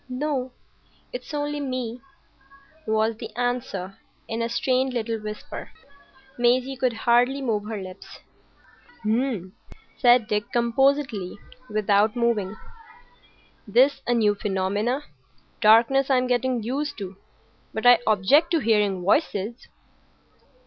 "No; it's only me," was the answer, in a strained little whisper. Maisie could hardly move her lips. "H'm!" said Dick, composedly, without moving. "This is a new phenomenon. Darkness I'm getting used to; but I object to hearing voices."